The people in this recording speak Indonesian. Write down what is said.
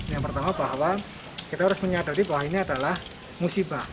yang pertama bahwa kita harus menyadari bahwa ini adalah musibah